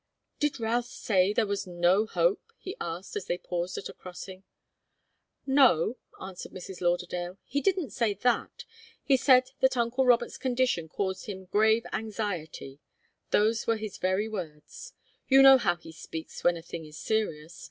"Did Routh say that there was no hope?" he asked, as they paused at a crossing. "No," answered Mrs. Lauderdale. "He didn't say that. He said that uncle Robert's condition caused him grave anxiety. Those were his very words. You know how he speaks when a thing is serious.